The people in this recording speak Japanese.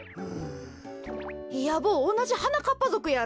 いや坊おなじはなかっぱぞくやろ？